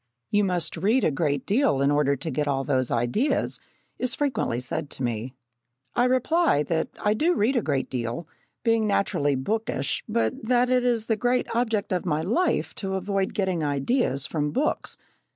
"You must read a great deal in order to get all those ideas," is frequently said to me. I reply that I do read a great deal, being naturally bookish, but that it is the great object of my life to avoid getting ideas from books.